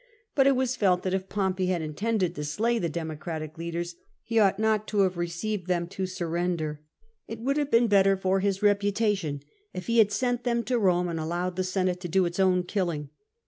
But it was felt that if Pompey had intended to slay the Democratic leaders, he ought not to have received them to surrender : it would have been better for his reputation if he had sent them to Eome and allowed the Senate to do its own killing.